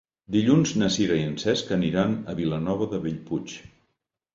Dilluns na Sira i en Cesc aniran a Vilanova de Bellpuig.